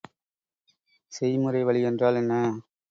செய்முறைவழி என்றால் என்ன?